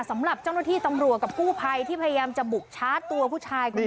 สำหรับเจ้าหน้าที่ตำรวจกับกู้ภัยที่พยายามจะบุกชาร์จตัวผู้ชายคนนี้